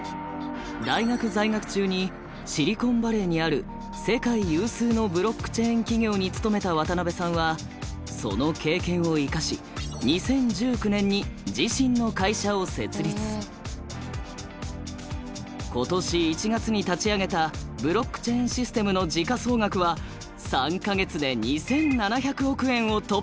大学在学中にシリコンバレーにある世界有数のブロックチェーン企業に勤めた渡辺さんはその経験を生かし今年１月に立ち上げたブロックチェーンシステムの時価総額は３か月で２，７００億円を突破！